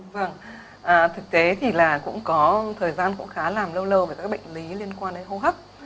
vâng thực tế thì là cũng có thời gian cũng khá là lâu lơ về các bệnh lý liên quan đến hô hấp